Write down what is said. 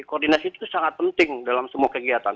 koordinasi itu sangat penting dalam semua kegiatan